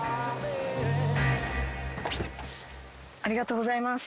ありがとうございます。